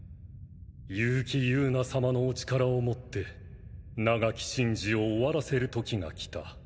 結城友奈様のお力をもって長き神事を終わらせるときが来た。